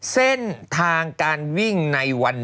เส้นทางการวิ่งในวันนี้